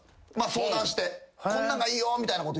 相談してこんなんがいいよみたいなこと言うと。